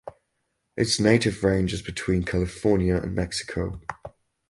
Its native range is between California and Mexico.